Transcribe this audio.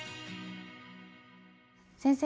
先生